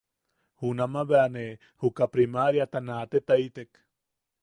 Junama ne juka primaariata naatetaitek.